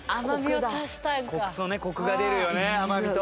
コクとねコクが出るよね甘みと。